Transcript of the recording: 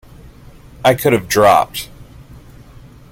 I could have dropped.